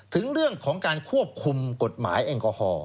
ถึงเรื่องของการควบคุมกฎหมายแอลกอฮอล